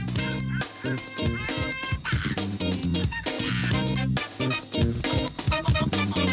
สวัสดีค่ะ